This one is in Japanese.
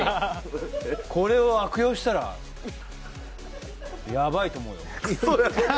これは悪用したらやばいと思うよ。